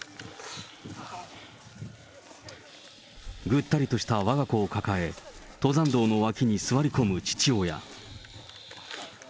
ぐったりとしたわが子を抱え、登山道の脇に座り込む父親。